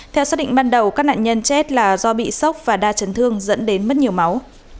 theo xác định ban đầu các nạn nhân chết là do bị sốc và đa chấn thương dẫn đến mất nhiều máu